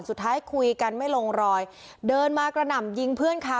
สุดท้ายคุยกันไม่ลงรอยเดินมากระหน่ำยิงเพื่อนเขา